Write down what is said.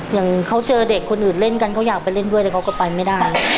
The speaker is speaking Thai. อย่างเขาเจอเด็กคนอื่นเล่นกันเขาอยากไปเล่นด้วยแต่เขาก็ไปไม่ได้